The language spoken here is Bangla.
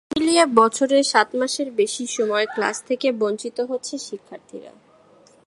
সব মিলিয়ে বছরে সাত মাসের বেশি সময় ক্লাস থেকে বঞ্চিত হচ্ছে শিক্ষার্থীরা।